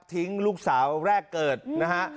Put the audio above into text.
ลูกสาวแรกเกิดนะฮะ